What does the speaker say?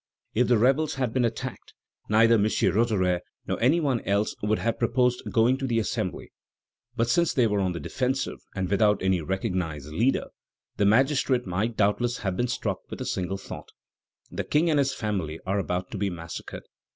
If the rebels had been attacked, neither M. Roederer nor any one else would have proposed going to the Assembly; but since they were on the defensive, and without any recognized leader, the magistrate might doubtless have been struck with a single thought: The King and his family are about to be massacred.